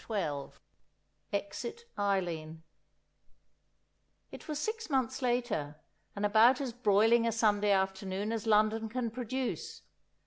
XI Exit Eileen IT was six months later, and about as broiling a Sunday afternoon as London can produce.